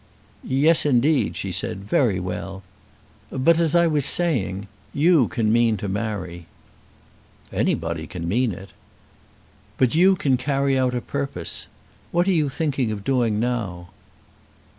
"Yes, indeed," she said, "very well. But as I was saying, you can mean to marry." "Anybody can mean it." "But you can carry out a purpose. What are you thinking of doing now?"